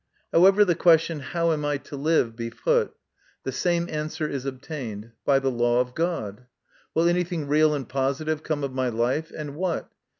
However the question, How am I to live? be put, the same answer is obtained by the law of God. Will anything real and positive come of my life, and what